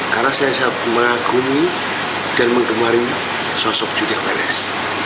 karena saya siap mengagumi dan menggemarin sosok julia perez